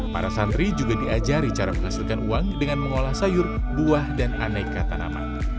para santri juga diajari cara menghasilkan uang dengan mengolah sayur buah dan aneka tanaman